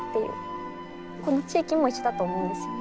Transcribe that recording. この地域も一緒だと思うんですよね。